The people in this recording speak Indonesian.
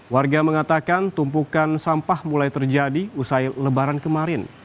warga mengatakan tumpukan sampah mulai terjadi usai lebaran kemarin